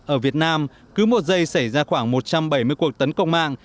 ở việt nam cứ một giây xảy ra khoảng một trăm bảy mươi cuộc tấn công mạng